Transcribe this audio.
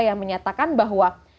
yang menyatakan bahwa